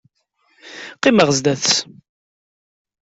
Qqimeɣ zdat-s.